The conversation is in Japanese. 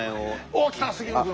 おっ来た杉野君。